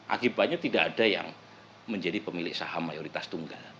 akibatnya tidak ada yang menjadi pemilik saham mayoritas tunggal